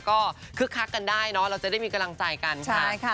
ก็คึกคักกันได้เนอะเราจะได้มีกำลังใจกันค่ะ